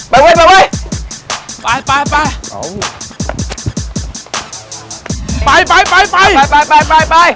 ไปวิ่งไปวิ่ง